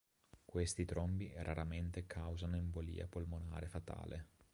Questi trombi raramente causano embolia polmonare fatale.